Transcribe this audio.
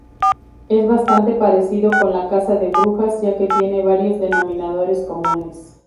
Es bastante parecido con la "caza de brujas" ya que tiene varios denominadores comunes.